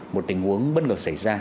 một tình huống bất ngờ xảy ra